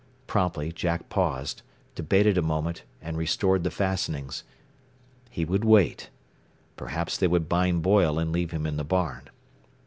Promptly Jack paused, debated a moment, and restored the fastenings. He would wait. Perhaps they would bind Boyle and leave him in the barn.